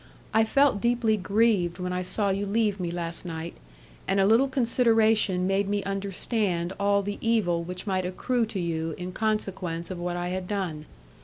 I felt deeply grieved when I saw you leave me last night, and a little consideration made me understand all the evil which might accrue to you in consequence of what I had done.